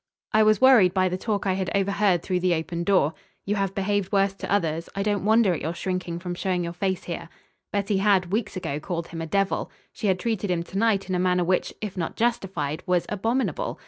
I was worried by the talk I had overheard through the open door. "You have behaved worse to others. I don't wonder at your shrinking from showing your face here." Betty had, weeks ago, called him a devil. She had treated him to night in a manner which, if not justified, was abominable.